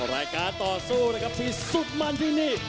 รายการต่อสู้นะครับที่สุดมันที่นี่